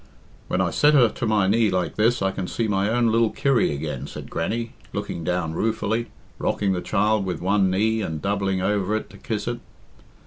"When I set her to my knee like this I can see my own lil Kirry again,'' said Grannie, looking down ruefully, rocking the child with one knee and doubling over it to kiss it.